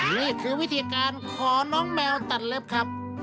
นี่คือวิธีการขอน้องแมวตัดเล็บครับ